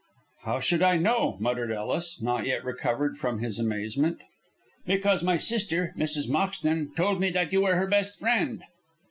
_" "How should I know?" muttered Ellis, not yet recovered from his amazement. "Because my sister, Mrs. Moxton, told me that you were her best friend."